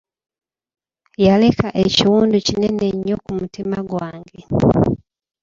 Yaleka ekiwundu kinene nnyo ku mutima gwange.